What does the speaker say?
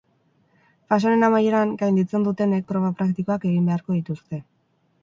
Fase honen amaieran, gainditzen dutenek proba praktikoak egin beharko dituzte.